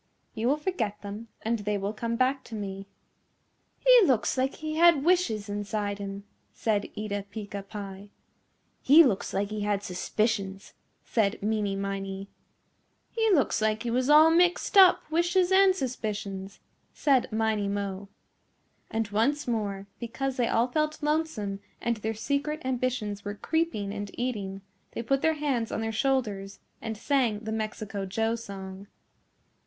You will forget them and they will come back to me." "He looks like he had wishes inside him," said Eeta Peeca Pie. "He looks like he had suspicions," said Meeney Miney. "He looks like he was all mixed up wishes and suspicions," said Miney Mo. And once more because they all felt lonesome and their secret ambitions were creeping and eating, they put their hands on their shoulders and sang the Mexico Joe song.